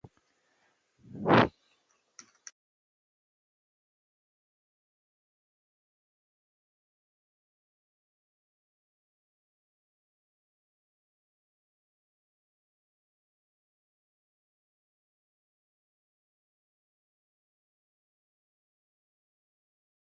It is used to show that the subject is acting on himself or herself.